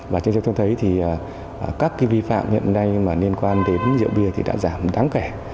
và trên giới thông thấy thì các cái vi phạm hiện nay mà liên quan đến rượu bia thì đã giảm đáng kẻ